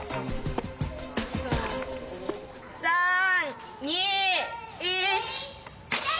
３２１。